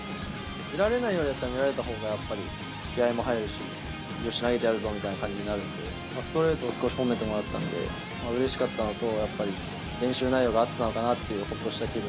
見られないよりは見られた方がやっぱり気合も入るし、よし、投げてやるぞみたいな感じになるので、ストレートを少し褒めてもらったんで、うれしかったのと、やっぱり練習内容が合ってたのかなというほっとした気分。